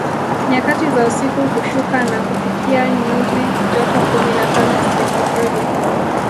Nyakati za usiku hushuka na kufikia nyuzi joto kumi na tano sentigredi